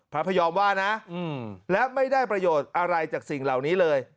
พระพยอมว่านะและไม่ได้ประโยชน์อะไรจากสิ่งเหล่านี้เลย